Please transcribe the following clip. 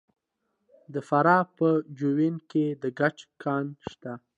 د فراه په جوین کې د ګچ کان شته.